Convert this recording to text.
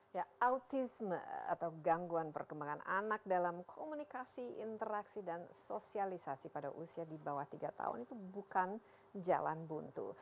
ya autisme atau gangguan perkembangan anak dalam komunikasi interaksi dan sosialisasi pada usia di bawah tiga tahun itu bukan jalan buntu